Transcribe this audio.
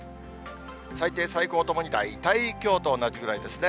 最低、最高ともに大体きょうと同じぐらいですね。